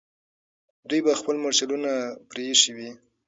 دوی به خپل مرچلونه پرېښي وي.